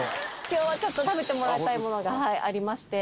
今日はちょっと食べてもらいたいものがありまして。